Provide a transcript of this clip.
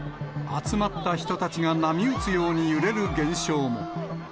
集まった人たちが波打つように揺れる現象も。